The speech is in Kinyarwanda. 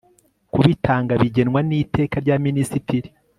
kubitanga bigenwa n iteka rya minisitiri